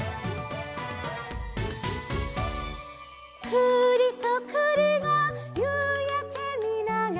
「くりとくりがゆうやけみながら」